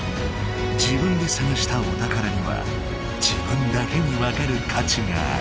自分で探したお宝には自分だけにわかるかちがある。